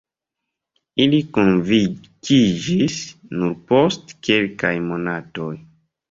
Ili konvinkiĝis nur post kelkaj monatoj.